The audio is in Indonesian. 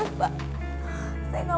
terima kasih untuk